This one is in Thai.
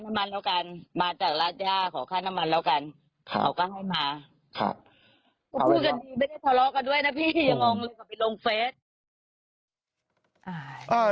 ยังงองเลยกลับไปลงเฟส